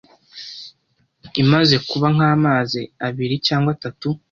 imaze kuba nk’amaze abiri cyangwa atatu